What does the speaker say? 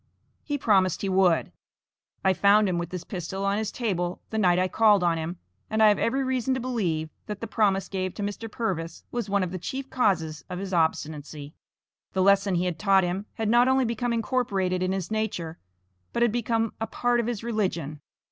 He promised he would. I found him with this pistol on his table, the night I called on him, and I have every reason to believe that the promise gave to Mr. Purvis was one of the chief causes of his obstinacy. The lesson he had taught him had not only become incorporated in his nature, but had become a part of his religion.